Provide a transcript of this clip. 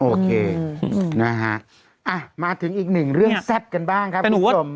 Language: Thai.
โอเคมาถึงอีกหนึ่งเรื่องแซ่บกันบ้างครับพี่สม